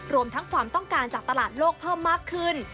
รวมทั้งความต้องการจากตลาดโลกเพิ่มมากขึ้น